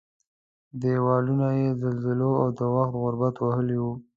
دېوالونه یې زلزلو او د وخت غربت وهلي وو.